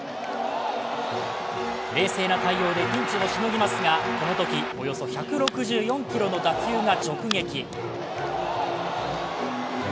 冷静な対応でピンチをしのぎますが、このときおよそ１６４キロの打球が直撃。